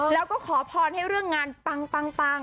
แล้วก็ขอพรให้เรื่องงานปัง